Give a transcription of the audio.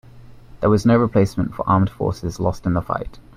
There was no replacement for armed forces lost in the fight.